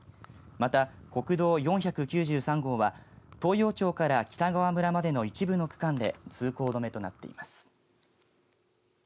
また国道４９３号は東洋町から北川村までの一部の区間で通行止めとなっています。